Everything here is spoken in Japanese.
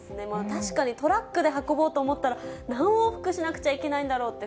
確かにトラックで運ぼうと思ったら、何往復しなくちゃいけないんだろうって